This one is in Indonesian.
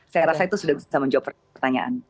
saya rasa itu sudah bisa menjawab pertanyaan